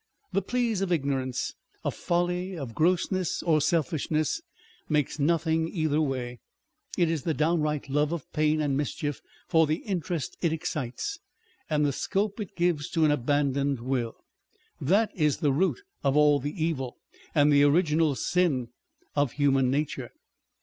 The plea of ignorance, of folly, of grossness, or selfishness makes nothing either way : it is the downright love of pain and mischief for the interest it excites, and the scope it gives to an abandoned will, that is the root of all the evil, and the original sin of human nature.